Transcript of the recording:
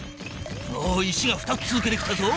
おお石が２つ続けて来たぞ。